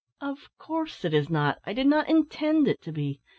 Of course, it is not. I did not intend it to be.